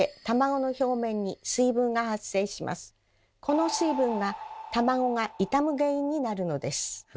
この水分が卵が傷む原因になるのです。